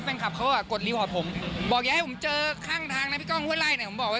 เป็นยังไงไปฟังหน่อยค่ะ